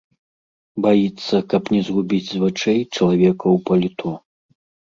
Баіцца, каб не згубіць з вачэй чалавека ў паліто.